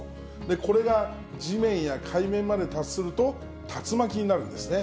これが地面や海面まで達すると、竜巻になるんですね。